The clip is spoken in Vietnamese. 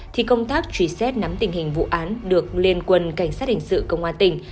thì công tác truy xét nắm tình hình vụ án được liên quân cảnh sát hình sự công an tỉnh